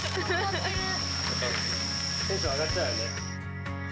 テンション上がっちゃうよね。